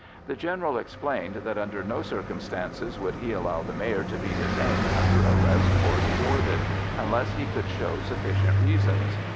The General explained that under no circumstances would he allow the Mayor to be detained under arrest or deported, unless he could show sufficient reasons.